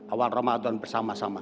awal ramadan bersama sama